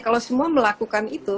kalau semua melakukan itu